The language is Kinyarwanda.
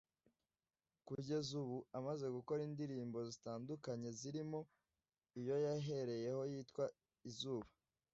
Kugeza ubu amaze gukora indirimbo zitandukanye zirimo iyo yahereyeho yitwa “Izubu